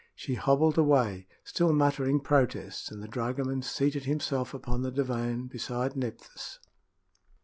She hobbled away, still muttering protests, and the dragoman seated himself upon the divan beside Nephthys.